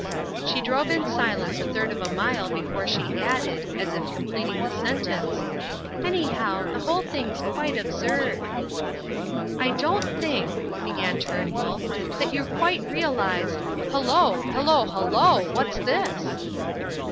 She drove in silence a third of a mile before she added, as if completing the sentence: "Anyhow, the whole thing's quite absurd." "I don't think," began Turnbull, "that you quite realize Hullo! hullo hullo what's this?"